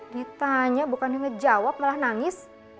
ditanya bukan di ngejawab malah nangis